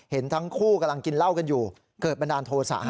เห็นทั้งคู่กำลังกินเหล้ากันอยู่เกิดบันดาลโทษะ